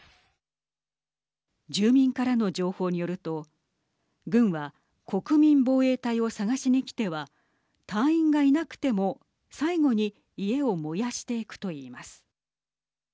住民からの情報によると軍は国民防衛隊を探しに来ては隊員がいなくても最後に家を燃やしていくと言います。